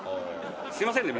すいませんね